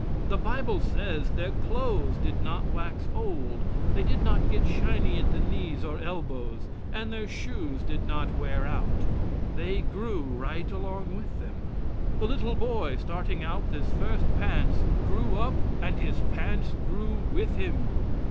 The Bible says their clothes did not wax old, they did not get shiny at the knees or elbows; and their shoes did not wear out. They grew right along with them. The little boy starting out with his first pants grew up and his pants grew with him.